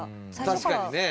確かにね。